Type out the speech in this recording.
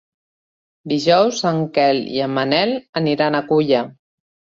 Dijous en Quel i en Manel aniran a Culla.